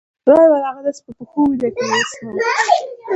د زړه ماتېدو ږغ څوک نه اوري.